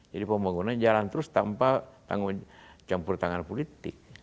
jadi pembangunan jalan terus tanpa campur tangan politik